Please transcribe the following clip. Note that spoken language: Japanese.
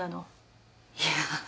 いや。